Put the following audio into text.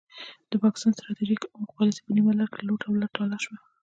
د پاکستان ستراتیژیک عمق پالیسي په نیمه لار کې لوټ او تالا شوې.